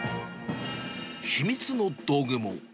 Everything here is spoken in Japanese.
秘密の道具も。